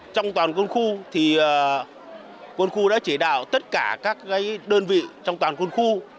trong toàn quân khu quân khu đã chỉ đạo tất cả các đơn vị trong toàn quân khu